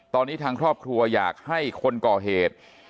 ตอนนี้ทางครอบครัวอยากให้คนก่อเหตุ